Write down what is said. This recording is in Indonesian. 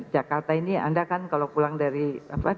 jakarta ini anda kan kalau pulang dari apa